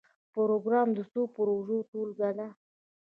پروګرام د څو پروژو ټولګه ده